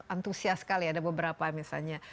antusias sekali ada beberapa misalnya